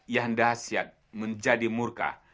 yang dahsyat menjadi murka